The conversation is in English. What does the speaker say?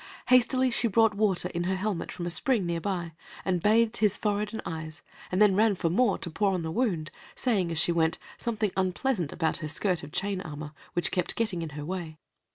Hastily she brought water in her helmet from a spring hard by, and bathed his forehead and eyes, and then ran for more to pour on the wound, saying, as she went, something unpleasant about her skirt of chain armor, which kept getting in her way.